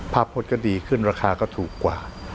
พจน์ก็ดีขึ้นราคาก็ถูกกว่า